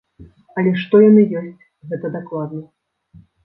Але што яны ёсць, гэта дакладна.